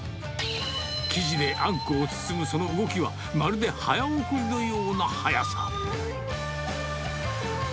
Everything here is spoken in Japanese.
生地であんこを包むその動きは、まるで早送りのような速さ。